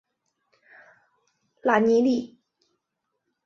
拉尼利。